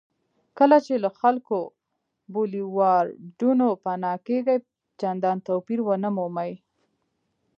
کله چې له ښکلو بولیوارډونو پناه کېږئ چندان توپیر ونه مومئ.